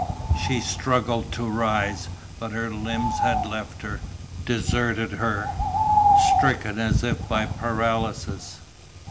She struggled to rise, but her limbs had left her, deserted her, stricken as if by paralysis.